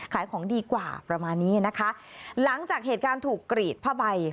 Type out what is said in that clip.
ขายของดีกว่าประมาณนี้นะคะหลังจากเหตุการณ์ถูกกรีดผ้าใบ